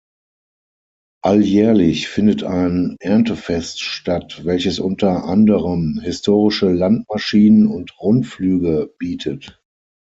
Alljährlich findet ein Erntefest statt, welches unter anderem historische Landmaschinen und Rundflüge bietet.